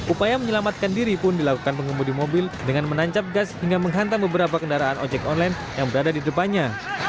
upaya menyelamatkan diri pun dilakukan pengemudi mobil dengan menancap gas hingga menghantam beberapa kendaraan ojek online yang berada di depannya